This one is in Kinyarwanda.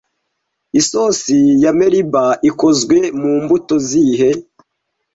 Isosi ya Melba ikozwe mu mbuto zihe